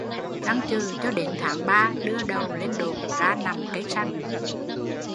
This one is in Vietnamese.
Răng chừ cho đến tháng ba, đưa đầu lên độn, ra nằm cây sanh